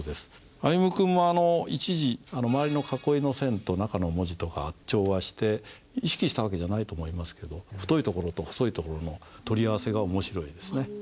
歩夢君も１字周りの囲いの線と中の文字とが調和して意識した訳じゃないと思いますけど太いところと細いところの取り合わせが面白いですね。